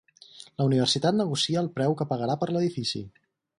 La Universitat negocia el preu que pagarà per l'edifici.